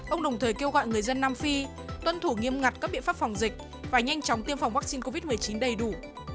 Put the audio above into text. ông đồng thời kêu gọi người dân nam phi tuân thủ nghiêm ngặt các biện pháp phòng dịch và nhanh chóng tiêm phòng vaccine covid một mươi chín đầy đủ